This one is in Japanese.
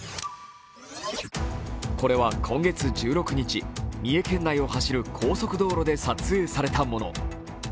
これは今月１６日、三重県内を走る高速道路で撮影されたもの。